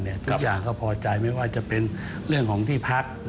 ทุกอย่างก็พอใจไม่ว่าจะเป็นเรื่องของที่พัก